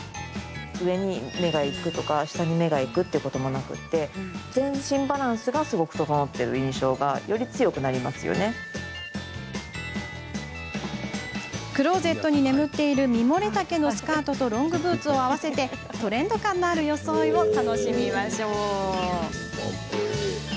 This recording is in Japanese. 上に目がいくとか下に目がいくってこともなくてクローゼットに眠っているミモレ丈のスカートとロングブーツを合わせてトレンド感のある装いを楽しみましょう。